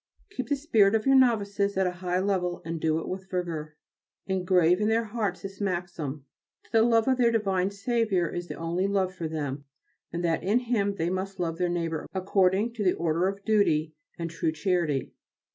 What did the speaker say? Keep the spirit of your novices at a high level and do it with vigour. Engrave in their hearts this maxim, that the love of their divine Saviour is the only love for them, and that in Him they must love their neighbour according to the order of duty and true charity.